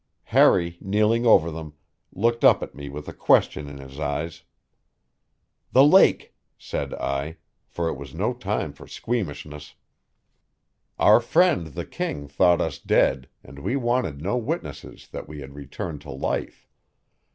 Harry, kneeling over them, looked up at me with a question in his eyes. "The lake," said I, for it was no time for squeamishness. Our friend the king thought us dead, and we wanted no witnesses that we had returned to life.